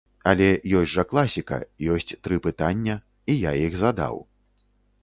Але ёсць жа класіка, ёсць тры пытання, і я іх задаў.